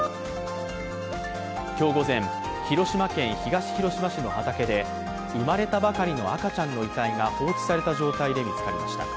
今日午前、広島県東広島市の畑で生まれたばかりの赤ちゃんの遺体が放置された状態で見つかりました。